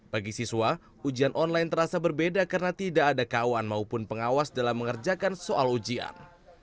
bagi siswa ujian online terasa berbeda karena tidak ada kawan maupun pengawas dalam mengerjakan soal ujian